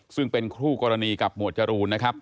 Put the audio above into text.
ซึ่งเป็นคู่กรณีกับหมวดจรูนนะครับ